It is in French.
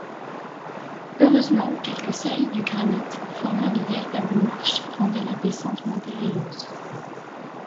Heureusement, quelques saillies du granit, formant de véritables marches, rendaient la descente moins périlleuse.